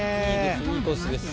いいコースです。